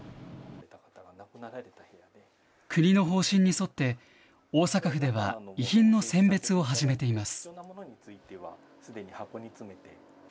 国の方針に沿って、大阪府では遺品の選別を始めています。